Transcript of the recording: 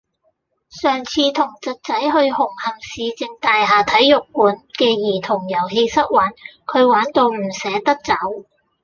上次同侄仔去紅磡市政大廈體育館嘅兒童遊戲室玩，佢玩到唔捨得走。